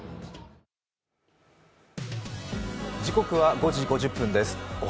時刻は午後５時５０分です。